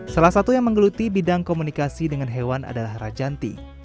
salah satu yang menggeluti bidang komunikasi dengan hewan adalah rajanti